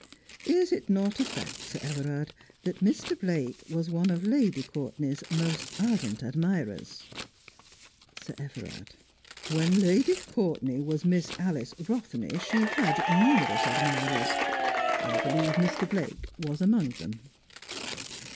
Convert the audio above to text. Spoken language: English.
Is it not a fact, Sir Everard, that Sir. Blake was one of Lady Courtenay's most ardent admirers ( Sir Everard : When Lady Com teuay was Miss Alice Rothney 54 Just as I Am. she had numerous admirers. I believe Mr. Blake was among them.